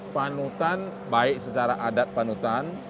panutan baik secara adat panutan